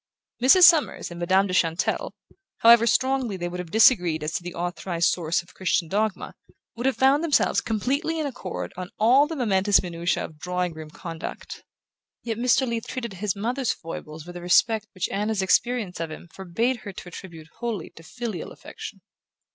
Mrs. Summers and Madame de Chantelle, however strongly they would have disagreed as to the authorized source of Christian dogma, would have found themselves completely in accord on all the momentous minutiae of drawing room conduct; yet Mr. Leath treated his mother's foibles with a respect which Anna's experience of him forbade her to attribute wholly to filial affection.